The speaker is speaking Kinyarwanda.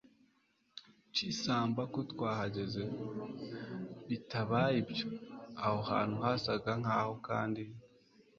chisamba ko twahageze. bitabaye ibyo, aho hantu hasaga nkaho kandi